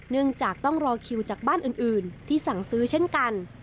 เนื่องจากต้องรอคิวจากบ้านอื่นที่สั่งซื้อเช่นกัน